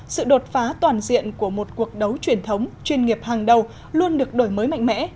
sự đột phá toàn diện của một cuộc đấu truyền thống chuyên nghiệp hàng đầu luôn được đổi mới mạnh mẽ